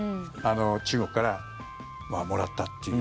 中国からもらったという。